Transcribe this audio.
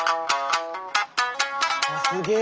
すげえ！